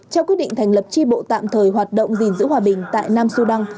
trao quyết định thành lập tri bộ tạm thời hoạt động gìn giữ hòa bình tại nam sudan